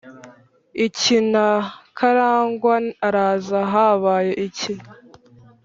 iki na karangwa araza habaye iki